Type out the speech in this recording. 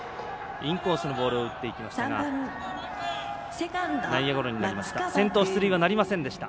インコースのボールを打っていきましたが内野ゴロになりました。